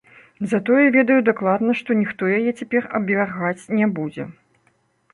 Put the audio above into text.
Затое ведаю дакладна, што ніхто яе цяпер абвяргаць не будзе.